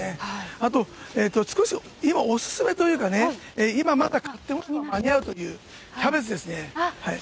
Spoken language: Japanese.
あと、少し今、お勧めというかね、今まだ買っても間に合うというキャベツですね。